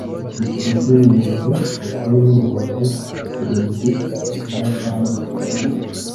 Icyiciro cy Ubuyobozi Bukuru ni mirongo irindwi na batandatu